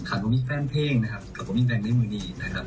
ค่ะก็มีแฟนเพลงนะครับก็มีแฟนแม่งมือดีนะครับ